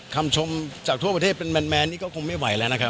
ถ้าประเทศเป็นแมนนี่ก็คงไม่ไหวแล้วนะครับ